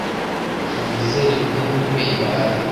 Nizere ko iyi ntebe idahari.